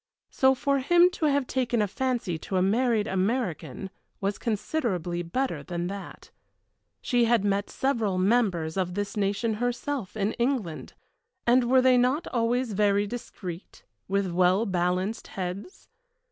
So for him to have taken a fancy to a married American was considerably better than that. She had met several members of this nation herself in England, and were they not always very discreet, with well balanced heads!